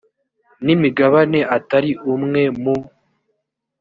n imigabane atari umwe mu